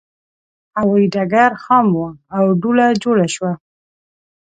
هوایي ډګر خام و او دوړه جوړه شوه.